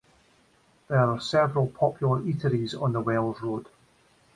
There are a several popular eateries on the Wells Road.